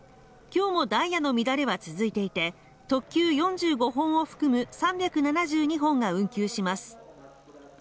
今日もダイヤの乱れは続いていて特急４５本を含む３７２本が運休します